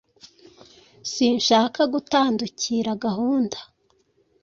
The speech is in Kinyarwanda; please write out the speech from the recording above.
Sinshaka gutandukira gahunda.